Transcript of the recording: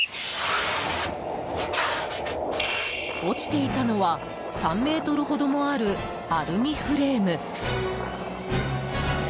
落ちていたのは３ｍ程もあるアルミフレーム。